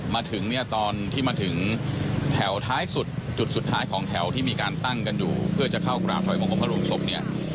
มาถึงเนี่ยตอนที่มาถึงแถวท้ายสุดจุดสุดท้ายของแถวที่มีการตั้งกันอยู่เพื่อจะเข้ากราบถอยบังคมพระบรมศพเนี่ย